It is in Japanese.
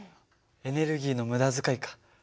エネルギーの無駄遣いか。